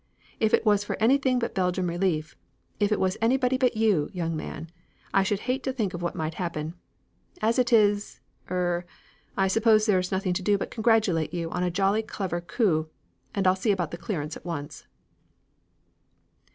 "If it was for anything but Belgium Relief if it was anybody but you, young man I should hate to think of what might happen. As it is er I suppose there is nothing to do but congratulate you on a jolly clever coup. I'll see about the clearance at once."